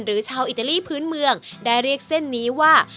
ชาวอิตาลีพื้นเมืองได้เรียกเส้นนี้ว่า